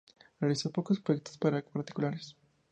Realizó pocos proyectos para particulares.